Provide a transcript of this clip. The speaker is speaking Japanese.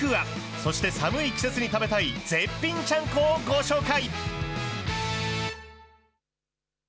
そして寒い季節に食べたい絶品ちゃんこをご紹介。